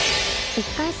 １回戦